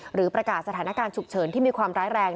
ประกาศสถานการณ์ฉุกเฉินที่มีความร้ายแรง